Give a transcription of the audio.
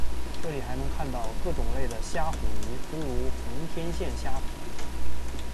这里还能看到各种种类的虾虎鱼诸如红天线虾虎。